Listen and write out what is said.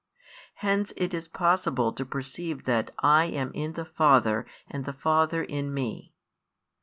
Hence it is possible to perceive that I am in the Father and the Father in Me.